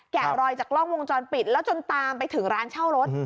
รอยจากกล้องวงจรปิดแล้วจนตามไปถึงร้านเช่ารถ